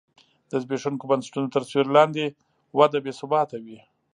د زبېښونکو بنسټونو تر سیوري لاندې وده بې ثباته وي.